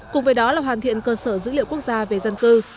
cùng với đó là hoàn thiện cơ sở dữ liệu quốc gia về dân cư